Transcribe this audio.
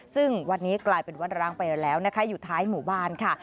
ซึ่งวัดนี้กลายเป็นวัดร้างไปแล้วนะคะอยู่ท้ายหมู่บ้านค่ะ